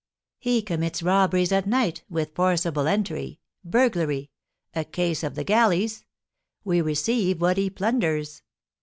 "He commits robberies at night, with forcible entry, burglary; a case of the galleys. We receive what he plunders.